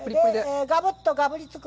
がぶっとかぶりつく。